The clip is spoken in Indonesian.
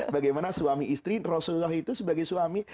bagaimana suami istri rasulullah itu sebagai suami